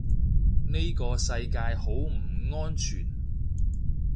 呢個世界好唔安全